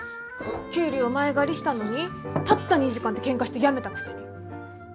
給料前借りしたのにたった２時間でケンカして辞めたくせに。